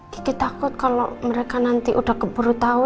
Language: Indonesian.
gigi takut kalau mereka nanti udah keburu tahu